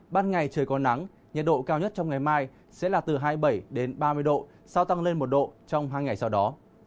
ban ngày trời có nắng nhiệt độ cao nhất trong ngày mai sẽ là từ hai mươi bảy đến ba mươi độ sau tăng lên một độ trong hai ngày sau đó